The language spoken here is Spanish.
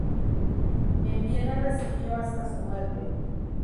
En Viena residió hasta su muerte.